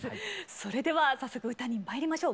それでは早速歌にまいりましょう。